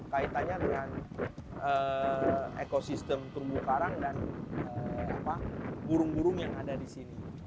kaitannya dengan ekosistem terumbu karang dan burung burung yang ada di sini